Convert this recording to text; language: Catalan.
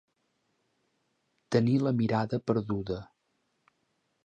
Tenir la mirada perduda.